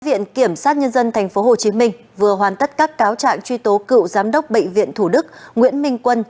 viện kiểm sát nhân dân tp hcm vừa hoàn tất các cáo trạng truy tố cựu giám đốc bệnh viện thủ đức nguyễn minh quân